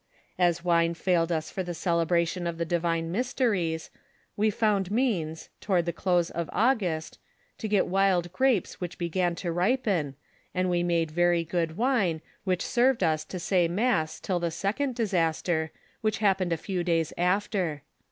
As wine failed us for the celebration of the divine mysteries, we found means, toward the close of Au >mst, to get wild grapes which began to ripen, and we made very good wine which served us to say mass till the second disaster, which happened a few days after.